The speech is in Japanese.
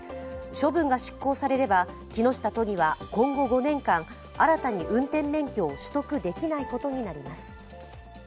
処分が執行されれば木下都議は、今後５年間新たに運転免許を取得できないことになりなます。